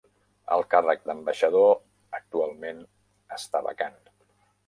El càrrec d'ambaixador actualment està vacant.